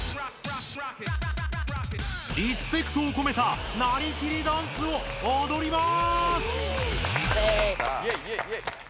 リスペクトをこめたなりきりダンスをおどります！